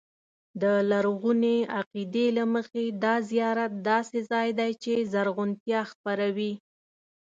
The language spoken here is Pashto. د لرغوني عقیدې له مخې دا زیارت داسې ځای دی چې زرغونتیا خپروي.